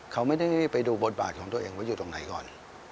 เขาไม่ได้ไปดูบทบาทของตัวเองว่าอยู่ตรงไหนก่อน